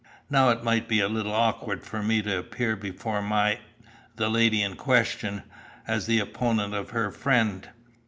Now it might be a little awkward for me to appear before my the lady in question, as the opponent of her friend.